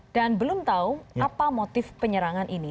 dan belum tahu apa motif penyerangan ini